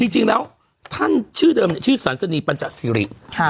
จริงแล้วท่านชื่อเดิมชื่อสันสนีปัญจสิริ